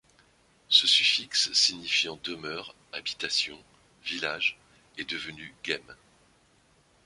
Ce suffixe signifiant demeure, habitation, village…est devenu ghem.